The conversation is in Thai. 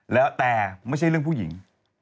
แล้วแต่ไม่ใช่เรื่องผู้หญิง